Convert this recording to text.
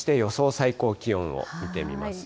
最高気温を見てみますと。